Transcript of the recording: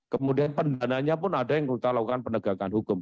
kemudian pendananya pun ada yang kita lakukan penegakan hukum